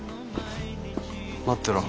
待ってろ。